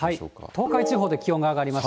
東海地方で気温が上がりました。